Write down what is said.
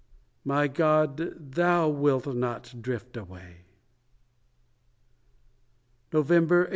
My God! Thou wilt not drift away November 1867.